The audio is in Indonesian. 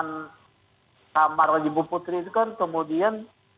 di kamar ibu putri itu kan